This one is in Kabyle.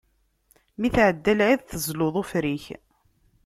Mi tɛedda lɛid, tezluḍ ufrik.